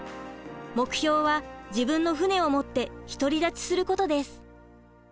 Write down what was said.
目標は自分の船を持って独り立ちすることです。